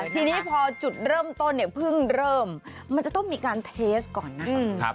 ทีนี้พอจุดเริ่มต้นเนี่ยเพิ่งเริ่มมันจะต้องมีการเทสก่อนนะคะ